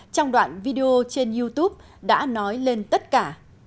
trong đoạn video trên youtube đã nói lên tất cả